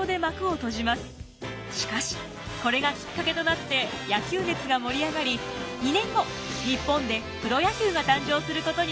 しかしこれがきっかけとなって野球熱が盛り上がり２年後日本でプロ野球が誕生することになるのです。